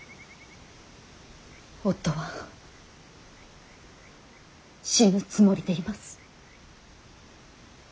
夫は死ぬつもりでいます。